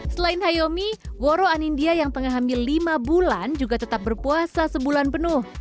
selain hayomi woro anindya yang tengah hamil lima bulan juga tetap berpuasa sebulan penuh